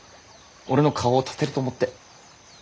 俺の顔を立てると思って。